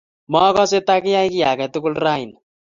Makase takiyai kiy age tugul rauni